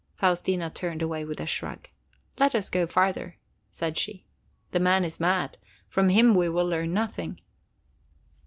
Faustina turned away with a shrug. "Let us go farther!" said she. "The man is mad. From him we will learn nothing."